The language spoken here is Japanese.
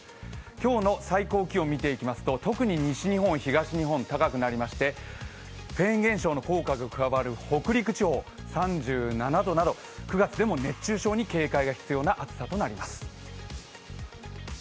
今日の最高気温を見ていきますと特に西日本、東日本、高くなりましてフェーン現象の効果が加わる北陸地方、３７度など９月でも熱中症に警戒が必要な暑さになります。